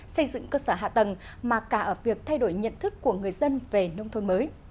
xây dựng cơ sở hạ tầng mà cả ở việc thay đổi nhận thức của người dân về nông thôn mới